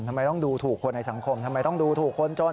ทำไมต้องดูถูกคนในสังคมทำไมต้องดูถูกคนจน